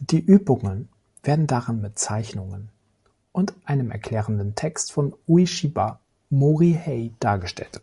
Die Übungen werden darin mit Zeichnungen und einem erklärenden Text von Ueshiba Morihei dargestellt.